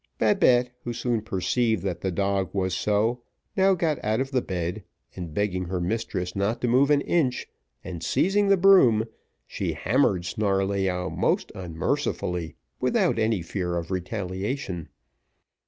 Babette, who soon perceived that the dog was so, now got out of the bed, and begging her mistress not to move an inch, and seizing the broom, she hammered Snarleyyow most unmercifully, without any fear of retaliation.